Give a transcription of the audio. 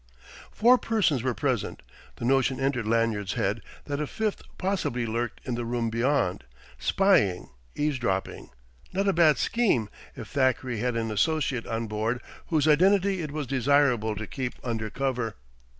Four persons were present; the notion entered Lanyard's head that a fifth possibly lurked in the room beyond, spying, eavesdropping: not a bad scheme if Thackeray had an associate on board whose identity it was desirable to keep under cover.